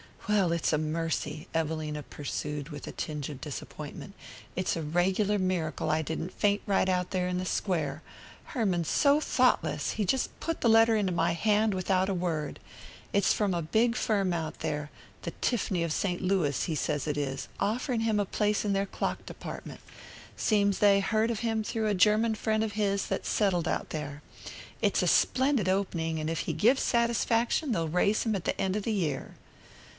"Well, it's a mercy," Evelina pursued with a tinge of disappointment. "It's a regular miracle I didn't faint right out there in the Square. Herman's so thoughtless he just put the letter into my hand without a word. It's from a big firm out there the Tiff'ny of St. Louis, he says it is offering him a place in their clock department. Seems they heard of him through a German friend of his that's settled out there. It's a splendid opening, and if he gives satisfaction they'll raise him at the end of the year."